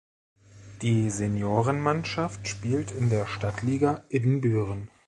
Die Seniorenmannschaft spielt in der Stadtliga Ibbenbüren.